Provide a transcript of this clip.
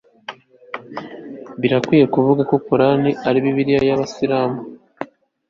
birakwiye kuvuga ko qor'ani ari bibiliya y'abayisilamu